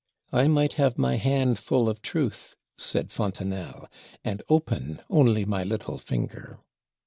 "I might have my hand full of truth," said Fontenelle, "and open only my little finger."